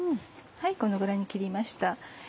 このぐらいに切りました。